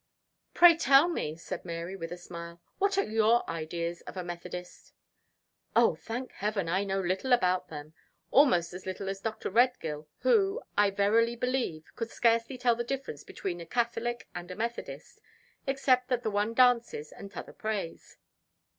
"Pray, tell me," said Mary, with a smile, "what are your ideas of a Methodist?" "Oh! thank heaven, I know little about them! almost as little as Dr. Redgill, who, I verily believe, could scarcely tell the difference betwixt a Catholic and a Methodist, except that the one dances and t'other prays.